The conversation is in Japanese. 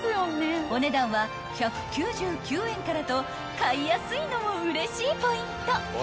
［お値段は１９９円からと買いやすいのもうれしいポイント］